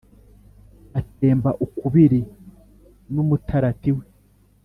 atemba ukubiri n’umutarati we